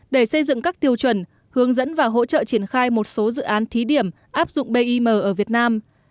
để xây dựng các tiêu chuẩn hướng dẫn và hỗ trợ triển khai một số dự án thí điểm áp dụng bim ở việt nam